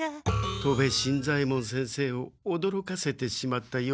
戸部新左ヱ門先生をおどろかせてしまったようですね。